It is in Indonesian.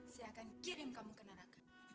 saya akan kirim kamu ke neraka